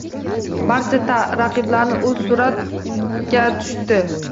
Barcha raqiblari u bilan suratga tushdi.